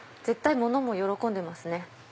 絶対物も喜んでますね。